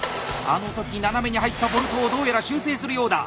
あの時斜めに入ったボルトをどうやら修正するようだ。